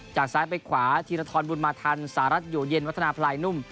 จากซ้ายไปขวาธีรทรบุญมาทันสหรัฐอยู่เย็นวัฒนาพลายนุ่ม